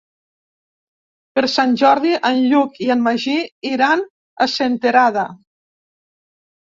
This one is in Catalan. Per Sant Jordi en Lluc i en Magí iran a Senterada.